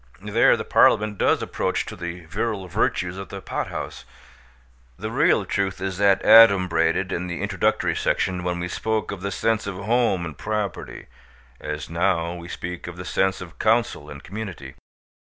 There the Parliament does approach to the virile virtues of the pothouse. The real truth is that adumbrated in the introductory section when we spoke of the sense of home and property, as now we speak of the sense of counsel and community.